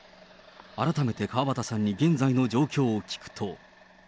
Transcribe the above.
改めて河端さんに現在の状況を聞くと。